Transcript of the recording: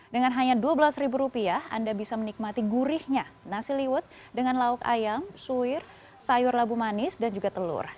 dengan hanya dua belas rupiah anda bisa menikmati gurihnya nasi liwet dengan lauk ayam suwir sayur labu manis dan juga telur